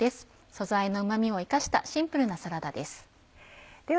素材のうま味を生かしたシンプルなサラダです。